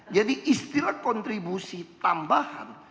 jadi istilah kontribusi tambahan